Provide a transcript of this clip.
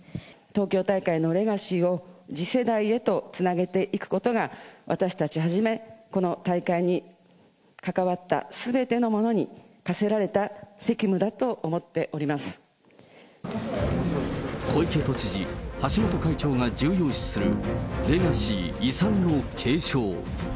東京大会のレガシーを次世代へとつなげていくことが、私たちはじめ、この大会に関わったすべての者に課せられた責務だと思っておりま小池都知事、橋本会長が重要視するレガシー・遺産の継承。